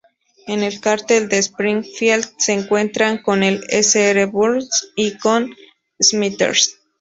En el cartel de Springfield, se encuentran con el Sr. Burns y con Smithers.